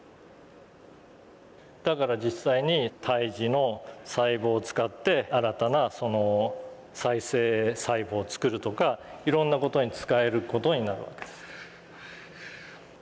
だから実際に胎児の細胞を使って新たな再生細胞をつくるとかいろんな事に使える事になるわけです。